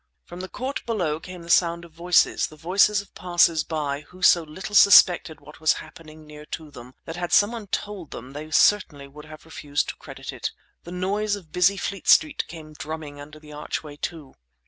From the court below came the sound of voices, the voices of passers by who so little suspected what was happening near to them that had someone told them they certainly had refused to credit it. The noise of busy Fleet Street came drumming under the archway, too.